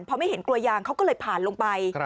พอไม่เห็นกลัวยางเขาก็เลยผ่านลงไป